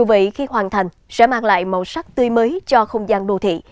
vậy khi hoàn thành sẽ mang lại màu sắc tươi mới cho không gian đô thị